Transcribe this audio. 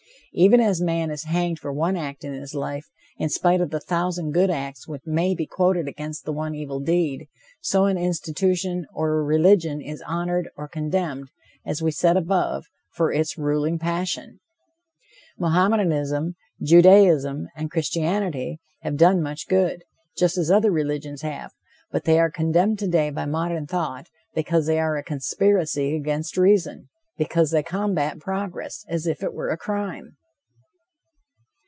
Even as a man is hanged for one act in his life, in spite of the thousand good acts which may be quoted against the one evil deed, so an institution or a religion is honored or condemned, as we said above, for its ruling passion. Mohammedanism, Judaism and Christianity have done much good, just as other religions have, but they are condemned today by modern thought, because they are a conspiracy against reason because they combat progress, as if it were a crime!